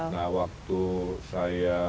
nah waktu saya